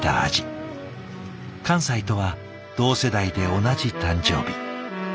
寛斎とは同世代で同じ誕生日。